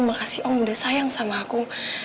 makasih om udah sayang sama aku